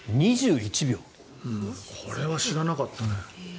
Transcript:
これは知らなかったね。